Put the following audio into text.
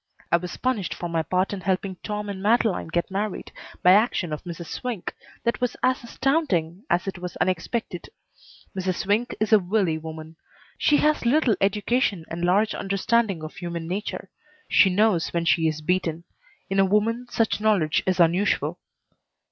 I was punished for my part in helping Tom and Madeleine get married by action of Mrs. Swink that was as astounding as it was unexpected. Mrs. Swink is a wily woman. She has little education and large understanding of human nature. She knows when she is beaten. In a woman such knowledge is unusual.